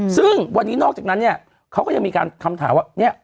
ซึ่งวันนี้นอกจากนั้นเนี่ยเขาก็ยังมีการคำถามว่าเนี่ย